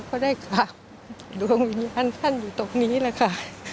ก็ได้กราบดวงวิญญาณท่านอยู่ตรงนี้แหละค่ะ